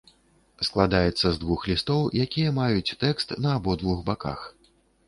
Складаецца з двух лістоў, якія маюць тэкст на абодвух баках.